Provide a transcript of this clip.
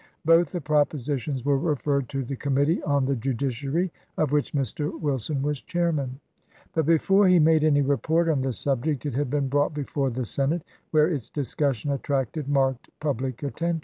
Both the propositions were referred to the committee on the judiciary, of which Mr. Wilson was chairman; but before he made any report on the subject it had been brought before the Senate, where its discussion attracted marked public attention.